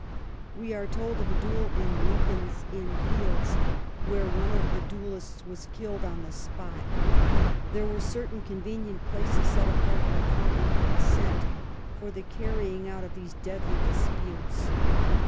We are told of a duel in Lincoln's Inn Fields, where one of the duellists was killed on the spot. There were certain convenient places set apart by common consent for the carrying out of these deadly disputes.